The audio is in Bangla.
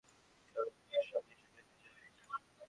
দেখিতে দেখিতে আটটা বাজিয়া গেল, কিন্তু স্বামীজীর দেখা নাই।